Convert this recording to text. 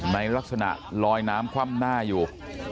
ในลักษณะลอยน้ำคว่ำหน้าอยู่